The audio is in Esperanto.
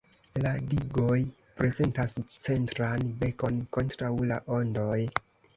La digoj prezentas centran "bekon" kontraŭ la ondoj.